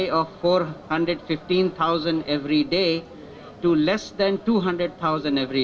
hingga kurang dari dua ratus setiap hari